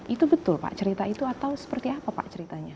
itu betul pak cerita itu atau seperti apa pak ceritanya